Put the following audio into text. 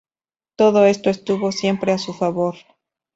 Todo esto estuvo siempre a su favor".